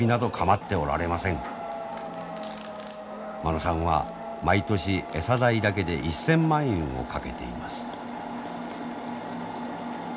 間野さんは毎年餌代だけで１，０００万円をかけています。